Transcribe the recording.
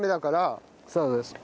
そうです。